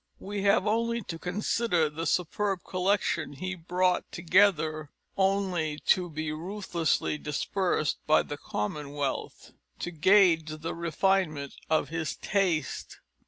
We have only to consider the superb collection he brought together, only to be ruthlessly dispersed by the Commonwealth, to gauge the refinement of his taste.